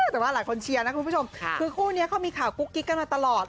แต่ว่าหลายคนเชียร์นะคุณผู้ชมคือคู่นี้เขามีข่าวกุ๊กกิ๊กกันมาตลอด